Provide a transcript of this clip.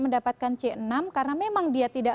mendapatkan c enam karena memang dia tidak